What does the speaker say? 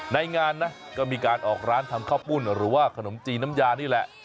ในงานนะก็มีการออกร้านทำข้าวปุ้นหรือว่าขนมจีนน้ำยานี่แหละ